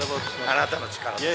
あなたの力です。